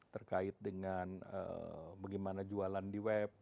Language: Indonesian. terkait dengan bagaimana jualan di web